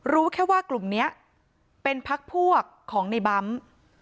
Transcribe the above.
รู้แค่ว่ากลุ่มนี้เป็นพักพวกของในบัม